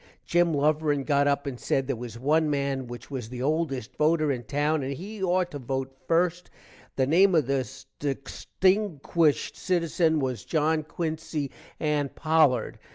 Gim Luverin got up and said there was one man which was the oldest voter in town and he ought to vote the first, the name of this destinkuished sitizen was John Quincy Ann Pollard.